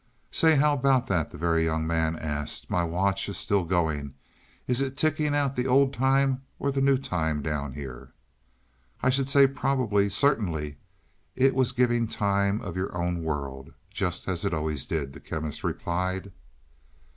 "Say how about that?" the Very Young Man asked. "My watch is still going is it ticking out the old time or the new time down here?" "I should say probably certainly it was giving time of your own world, just as it always did," the Chemist replied.